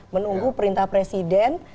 menunggu perintah presiden